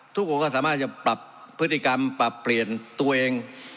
ทุกคนก็สามารถจะปรับพฤติกรรมปรับเปลี่ยนตัวเอง